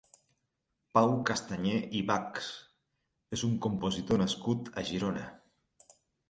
Pau Castanyer i Bachs és un compositor nascut a Girona.